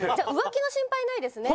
じゃあ浮気の心配ないですね。